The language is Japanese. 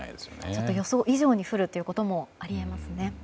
ちょっと予想以上に降ることもあり得ますね。